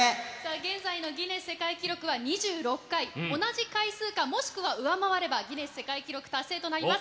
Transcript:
現在のギネス世界記録は２６回、同じ回数か、もしくは上回れば、ギネス世界記録達成となります。